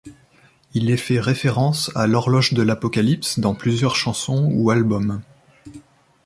Il est fait référence à l'horloge de l'Apocalypse dans plusieurs chansons ou albums.